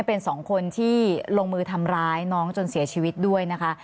เป็นสองคนที่ลงมือทำร้ายน้องจนเสียชีวิตด้วยนะคะ